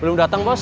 belum dateng bos